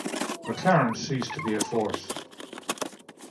McLaren ceased to be a force.